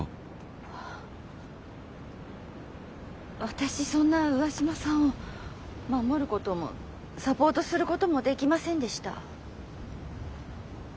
私そんな上嶋さんを守ることもサポートすることもできませんでした。